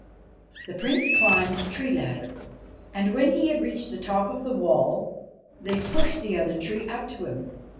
The Prince climbed the tree ladder ; and, when he had reached the top of the wall they pushed the other tree up to him.